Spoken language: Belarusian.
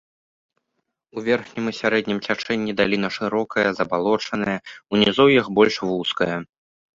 У верхнім і сярэднім цячэнні даліна шырокая забалочаная, у нізоўях больш вузкая.